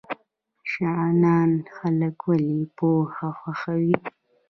شغنان خلک ولې پوهه خوښوي؟